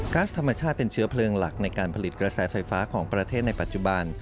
๊สธรรมชาติเป็นเชื้อเพลิงหลักในการผลิตกระแสไฟฟ้าของประเทศในปัจจุบัน